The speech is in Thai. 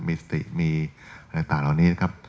มีสติมีอะไรต่างเหล่านี้นะครับ